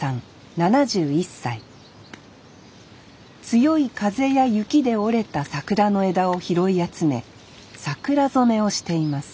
強い風や雪で折れた桜の枝を拾い集め桜染めをしています